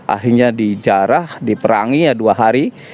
akhirnya dijarah diperangi ya dua hari